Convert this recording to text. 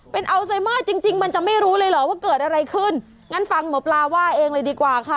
เป็นอัลไซเมอร์จริงจริงมันจะไม่รู้เลยเหรอว่าเกิดอะไรขึ้นงั้นฟังหมอปลาว่าเองเลยดีกว่าค่ะ